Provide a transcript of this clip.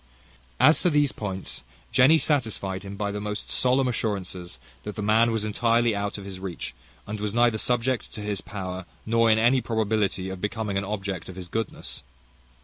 As to these points, Jenny satisfied him by the most solemn assurances, that the man was entirely out of his reach; and was neither subject to his power, nor in any probability of becoming an object of his goodness.